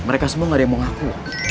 mereka semua gak ada yang mau ngaku